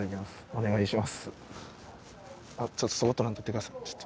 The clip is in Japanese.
お願いします。